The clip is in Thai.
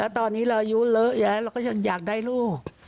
ตอนนี้เราอายุเลอะแย้เราก็ยังอยากได้ลูก